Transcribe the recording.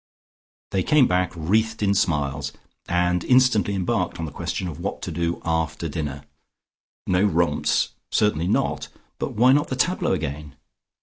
They came back wreathed in smiles, and instantly embarked on the question of what to do after dinner. No romps: certainly not, but why not the tableaux again?